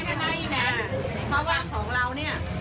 เพราะว่าของเราเนี่ย